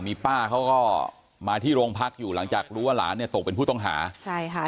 มีป้าเขาก็มาที่โรงพักอยู่หลังจากรู้ว่าหลานเนี่ยตกเป็นผู้ต้องหาใช่ค่ะ